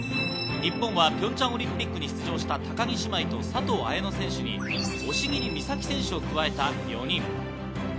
日本はピョンチャンオリンピックに出場した高木姉妹と佐藤綾乃選手に押切美沙紀選手を加えた４人。